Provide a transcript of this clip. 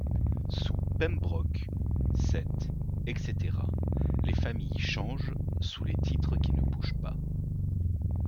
Sous Pembroke, sept, etc. Les familles changent sous les titres qui ne bougent pas.